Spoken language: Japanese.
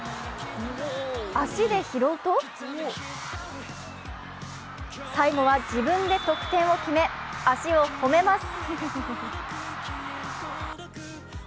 足で拾うと、最後は自分で得点を決め、足を褒めます。